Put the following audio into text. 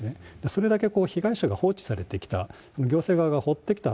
それだけ被害者が放置されてきた、行政側が放ってきた。